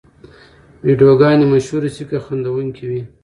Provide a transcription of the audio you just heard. ویډیوګانې مشهورې شي که خندوونکې وي.